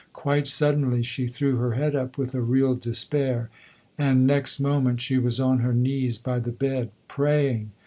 Quite suddenly she threw her head up with a real despair, and next moment she was on her knees by the bed. Praying!